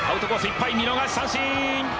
いっぱい見逃し三振。